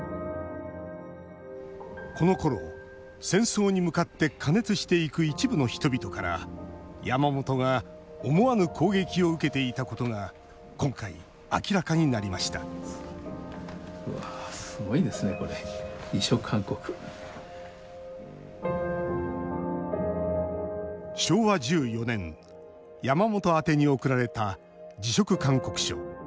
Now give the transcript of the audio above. このころ戦争に向かって過熱していく一部の人々から山本が思わぬ攻撃を受けていたことが今回明らかになりました昭和１４年山本宛てに送られた辞職勧告書。